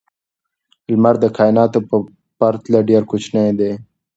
لمر د کائناتو په پرتله ډېر کوچنی دی.